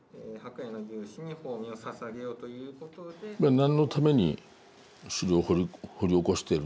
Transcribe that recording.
何のために資料を掘り起こしてるんだと。